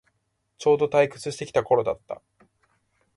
ちょうど退屈してきた頃だった